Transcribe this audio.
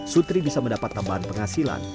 sutri bisa mendapat tambahan penghasilan